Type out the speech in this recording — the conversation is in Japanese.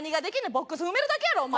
ボックス踏めるだけやろお前。